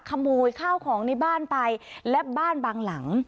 ขโมยข้าวของในบ้านไปและบ้านบางหลัง